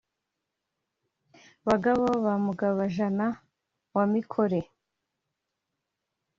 bagabo ba mugaba-jana wa mikore ,